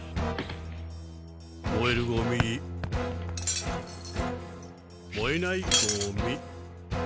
もえるゴミ。もえないゴミ。